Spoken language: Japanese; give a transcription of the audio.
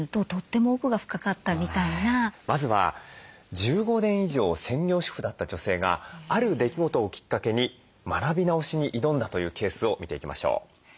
まずは１５年以上専業主婦だった女性がある出来事をきっかけに学び直しに挑んだというケースを見ていきましょう。